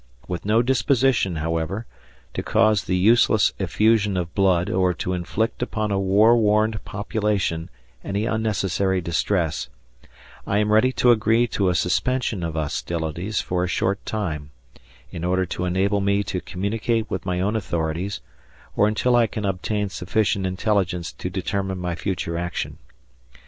With no disposition, however, to cause the useless effusion of blood or to inflict upon a war worn population any unnecessary distress, I am ready to agree to a suspension of hostilities for a short time, in order to enable me to communicate with my own authorities or until I can obtain sufficient intelligence to determine my future action.